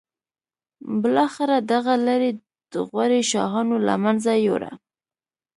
بالاخره دغه لړۍ د غوري شاهانو له منځه یوړه.